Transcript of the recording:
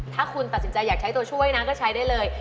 ถ้าคุณตัดสินใจอยากใช้ตัวช่วยนะก็ใช้ได้เลย